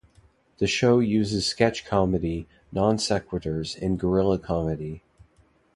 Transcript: The show uses sketch comedy, non-sequiturs and guerrilla comedy.